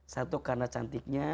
satu karena cantiknya